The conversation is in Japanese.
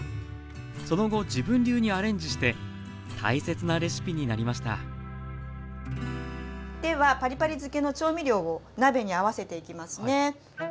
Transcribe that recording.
その後自分流にアレンジして大切なレシピになりましたではパリパリ漬けの調味料を鍋に合わせていきますね。